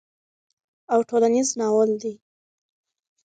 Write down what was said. او ټولنيز ناول دی